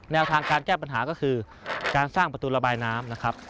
แนวทางการแก้ปัญหาก็คือการสร้างประตูระบายน้ำนะครับ